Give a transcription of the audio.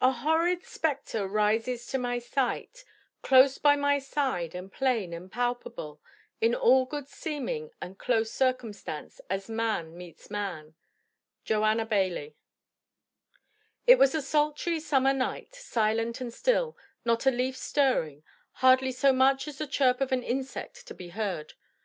"A horrid spectre rises to my sight, Close by my side, and plain, and palpable In all good seeming and close circumstance As man meets man." JOANNA BAILLIE. It was a sultry summer night, silent and still, not a leaf stirring, hardly so much as the chirp of an insect to be heard.